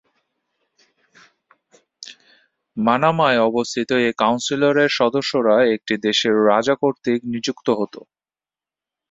মানামায় অবস্থিত এই কাউন্সিলের সদস্যরা দেশটির রাজা কর্তৃক নিযুক্ত হত।